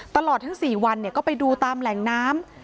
ตลอดทั้ง๔วันก็ไปดูตามแหล่งน้ำ